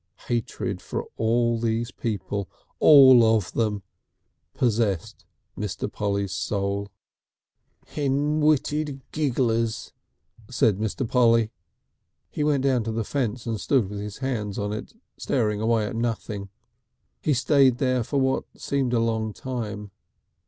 Hatred for all these people all of them possessed Mr. Polly's soul. "Hen witted gigglers," said Mr. Polly. He went down to the fence, and stood with his hands on it staring away at nothing. He stayed there for what seemed a long time.